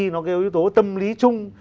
nó có yếu tố tâm lý chung